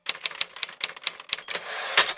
นี้สีน้ำของแม้นะ